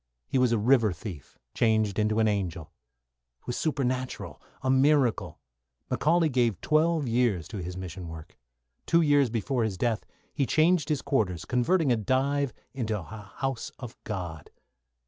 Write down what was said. He was a river thief changed into an angel. It was supernatural, a miracle. McCauley gave twelve years to his mission work. Two years before his death he changed his quarters, converting a dive into a House of God.